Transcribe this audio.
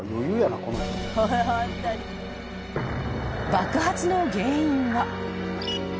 ［爆発の原因は］